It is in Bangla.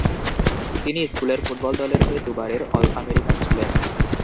তিনি স্কুলের ফুটবল দলের হয়ে দুবারের অল-আমেরিকান ছিলেন।